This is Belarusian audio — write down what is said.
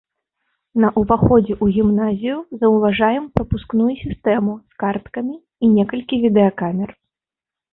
На ўваходзе ў гімназію заўважаем прапускную сістэму з карткамі і некалькі відэакамер.